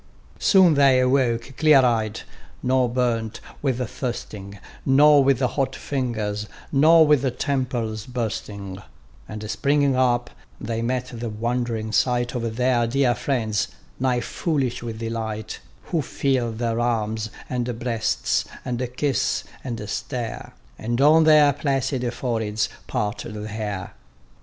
Soon they awoke clear eyed: nor burnt with thirsting, Nor with hot fingers, nor with temples bursting: And springing up, they met the wond'ring sight Of their dear friends, nigh foolish with delight; Who feel their arms, and breasts, and kiss ans stare, And on their placid foreheads part the hair.